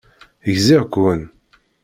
Gziɣ-ken.